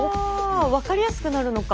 分かりやすくなるのか。